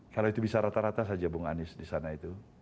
kalau itu bisa rata rata saja bung anies di sana itu